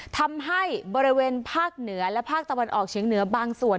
ทำให้บริเวณภาคเหนือและภาคตะวันออกเฉียงเหนือบางส่วน